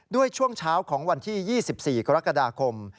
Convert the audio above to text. ช่วงเช้าของวันที่๒๔กรกฎาคม